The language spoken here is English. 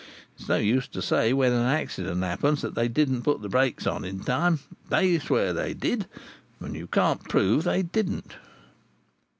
It's no use to say, when an accident happens, that they did not put on the brakes in time; they swear they did, and you can't prove that they didn't.